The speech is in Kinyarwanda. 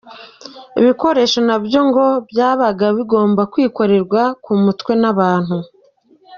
Ibikoresho na byo ngo byabaga bigomba kwikorerwa ku mutwe n’abantu.